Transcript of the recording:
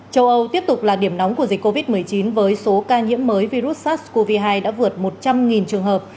châu âu tiếp tục là điểm nóng của dịch covid một mươi chín với số ca nhiễm mới virus sars cov hai đã vượt một trăm linh trường hợp